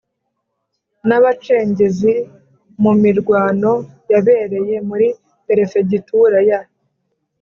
n'abacengezi mu mirwano yabereye muri perefegitura ya